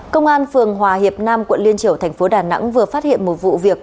công an phường hòa hiệp nam quận liên triều thành phố đà nẵng vừa phát hiện một vụ việc